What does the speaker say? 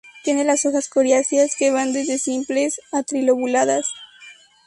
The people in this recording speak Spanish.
Tiene las hojas coriáceas, que van desde simples a trilobuladas.